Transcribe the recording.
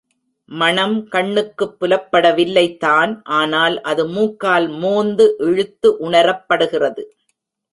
மணம் கண்ணுக்குப் புலப்படவில்லை தான் ஆனால் அது மூக்கால் மோந்து இழுத்து உணரப்படுகிறது.